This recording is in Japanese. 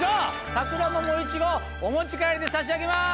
さくらももいちごお持ち帰りで差し上げます。